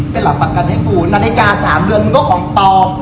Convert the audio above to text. มึงโกหกกูทุกอย่างเรื่องคอมมึงก็โกหก